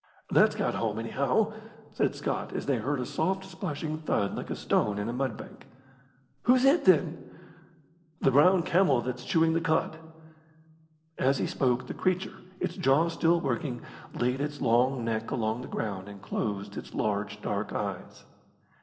"That's got home, anyhow," said Scott, as they heard a soft, splashing thud like a stone in a mud bank. "Who's hit, then?" "The brown camel that's chewing the cud." As he spoke the creature, its jaw still working, laid its long neck along the ground and closed its large dark eyes.